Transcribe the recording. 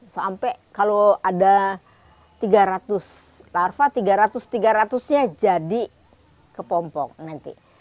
sampai kalau ada tiga ratus larva tiga ratus tiga ratus nya jadi kepompok nanti